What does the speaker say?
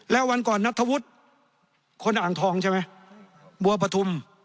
แล้ววันก่อนนัทธวุฒิคนอ่างทองใช่ไหมบัวปฐุม